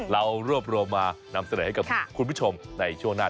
เรารวบรวมมานำเสนอให้กับคุณผู้ชมในช่วงหน้า